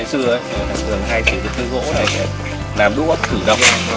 từ lập năm hai nghìn sáu đến năm hai nghìn bảy lưu cuhir lại kết quả roa tr taneab liebe